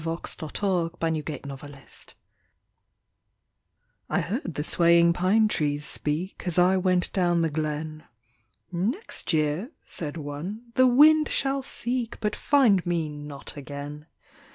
WHAT THE PINE TREES SAID I heard the swaying pine trees speak, As I went down the glen: "Next year," said one, "the wind shall seek, But find me not again!"